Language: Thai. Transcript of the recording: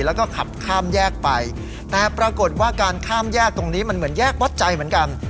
แล้วก็ขับข้ามแยกไปแต่ปรากฏว่าการข้ามแยกตรงนี้มันเหมือนแยกวัดใจเหมือนกัน